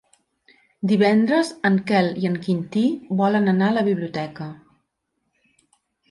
Divendres en Quel i en Quintí volen anar a la biblioteca.